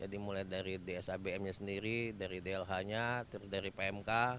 jadi mulai dari dsabm nya sendiri dari dlh nya terus dari pmk